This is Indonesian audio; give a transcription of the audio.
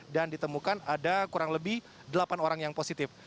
dan ditemukan ada kurang lebih delapan orang yang positif